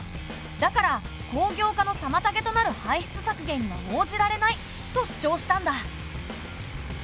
だから工業化のさまたげとなる排出削減には応じられない」と主張したんだ。